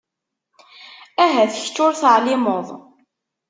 Ahat kečč ur teεlimeḍ